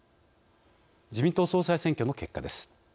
自民党総裁選挙の結果です。